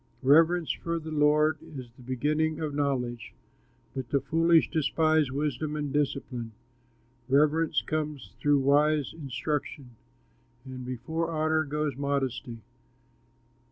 Reverence for the Lord is the beginning of knowledge, But the foolish despise wisdom and discipline. Reverence comes through wise instruction, And before honor goes modesty.